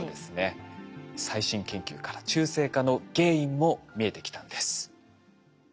最新研究から中性化の原因も見えてきたんです。